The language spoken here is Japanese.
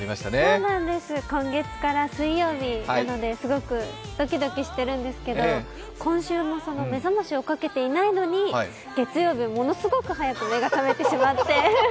そうなんです、今月から水曜日なので、すごくドキドキしてるんですけど今週目覚ましをかけていないのに月曜日、ものすごく早く目が覚めてしまって、